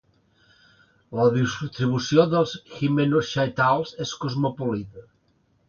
La distribució dels Hymenochaetales és cosmopolita.